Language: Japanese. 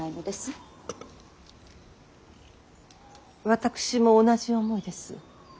私も同じ思いです。